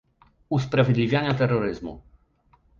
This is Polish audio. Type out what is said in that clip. "usprawiedliwiania terroryzmu"